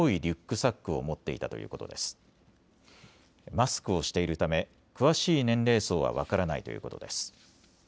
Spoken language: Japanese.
マスクをしているため詳しい年齢層は分からないということです。